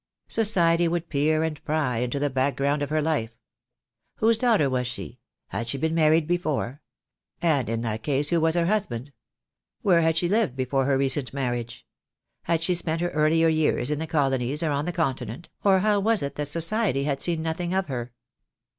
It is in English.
Society would peer and pry into the background of her life. Whose daughter was she? Had she been married before? And in that case who was her husband? Where had she lived before her recent marriage? Had she spent her earlier years in the Colonies or on the Continent, or how was it that society had seen nothing of her?